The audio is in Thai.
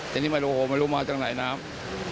แต่นี่ไม่รู้ไม่รู้มาจากไหนน้ำ